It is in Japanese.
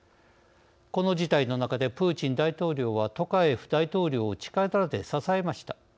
この事態の中でプーチン大統領はトカエフ大統領を力で支えました。